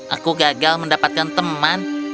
aku gagal mendapatkan teman